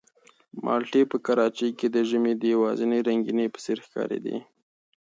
مالټې په کراچۍ کې د ژمي د یوازینۍ رنګینۍ په څېر ښکارېدې.